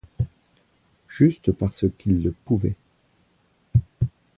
juste parce qu'il le pouvait.